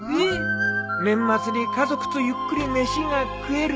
年末に家族とゆっくり飯が食える。